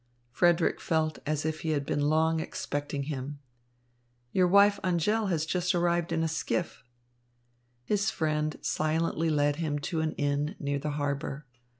Frederick felt as if he had been long expecting him. "Your wife, Angèle, just arrived in a skiff." His friend silently led him to an inn near the harbour.